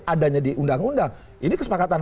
adanya di undang undang ini kesepakatan